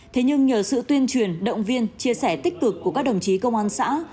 thế nhưng nhờ sự tuyên truyền động viên chia sẻ tích cực của các đồng chí công an xã